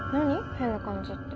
変な感じって。